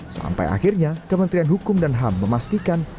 sampai akhirnya kementerian hukum dan ham memastikan